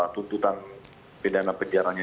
tuntutan bedana penjaranya